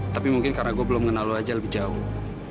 tapi mungkin karena gue belum mengenal lo aja lebih jauh